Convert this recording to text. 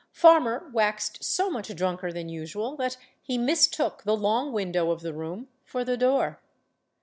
Farmer waxed so much drunker than usual that he mistook the long window of the room for the door.